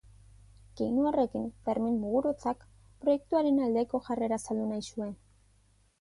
Keinu horrekin Fermin Muguruzak proiektuaren aldeko jarrera azaldu nahi zuen.